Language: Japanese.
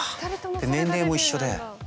で年齢も一緒で。